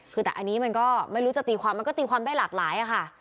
คือแต่อันนี้มันก็ไม่รู้จะตีความมันก็ตีความได้หลากหลายค่ะ